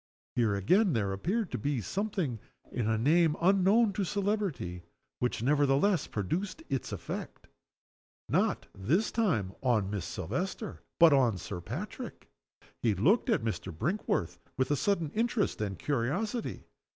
Here, again, there appeared to be something in a name unknown to celebrity, which nevertheless produced its effect not, this time, on Miss Silvester, but on Sir Patrick. He looked at Mr. Brinkworth with a sudden interest and curiosity.